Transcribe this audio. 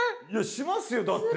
しますよだって。